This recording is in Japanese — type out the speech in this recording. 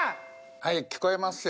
はい聞こえますよ。